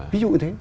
ví dụ như thế